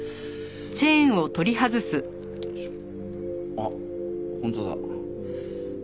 あっ本当だ。